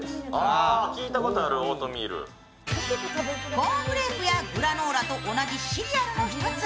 コーンフレークやグラノーラと同じシリアルの一つ。